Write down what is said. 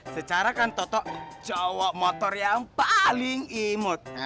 sekarang kan toto cowok motor yang paling imut